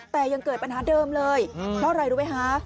แต่ยังเกิดปัญหาเดิมเลยเพราะอะไรรู้ไหมคะ